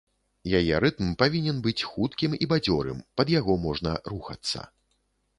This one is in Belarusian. Яе рытм павінен быць хуткім і бадзёрым, пад яго можна рухацца.